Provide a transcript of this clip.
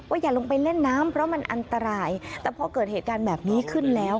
อย่าลงไปเล่นน้ำเพราะมันอันตรายแต่พอเกิดเหตุการณ์แบบนี้ขึ้นแล้ว